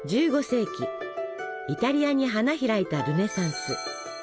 １５世紀イタリアに花開いたルネサンス。